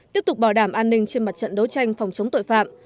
tiếp tục bảo đảm an ninh trên mặt trận đấu tranh phòng chống tội phạm